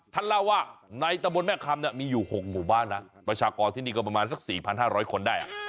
ท่านเล่าว่าในตะบนแม่คำมีอยู่๖หมู่บ้านนะประชากรที่นี่ก็ประมาณสัก๔๕๐๐คนได้